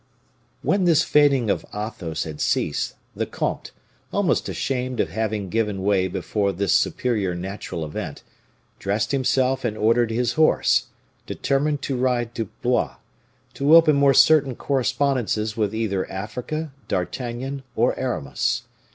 When this fainting of Athos had ceased, the comte, almost ashamed of having given way before this superior natural event, dressed himself and ordered his horse, determined to ride to Blois, to open more certain correspondences with either Africa, D'Artagnan, or Aramis.